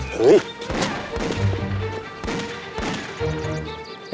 เฮ้ย